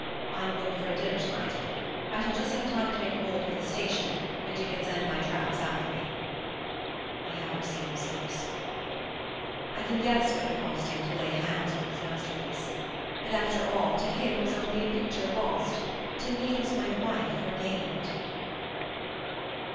'I'm booked for a dinner to night. I shall just have time to make a bolt for the station and you can send my traps after me.' I haven't seen him since. "I can guess what it cost him to lay hands on his masterpiece; but, after all, to him it was only a picture lost, to me it was my wife regained!"